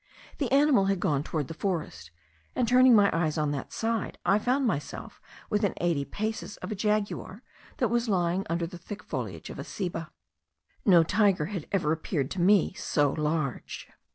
The animal had gone towards the forest, and turning my eyes on that side, I found myself within eighty paces of a jaguar that was lying under the thick foliage of a ceiba. No tiger had ever appeared to me so large.